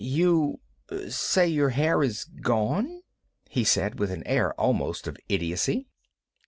"You say your hair is gone?" he said, with an air almost of idiocy.